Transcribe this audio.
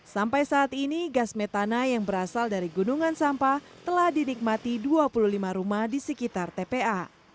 sampai saat ini gas metana yang berasal dari gunungan sampah telah dinikmati dua puluh lima rumah di sekitar tpa